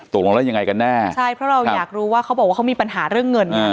ตกลงแล้วยังไงกันแน่ใช่เพราะเราอยากรู้ว่าเขาบอกว่าเขามีปัญหาเรื่องเงิน